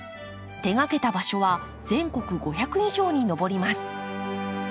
手がけた場所は全国５００以上に上ります。